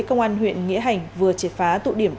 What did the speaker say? công an huyện nghĩa hành vừa triệt phá tụ điểm